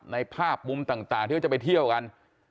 ในภาพมุมต่างที่เขาจะไปเที่ยวกัน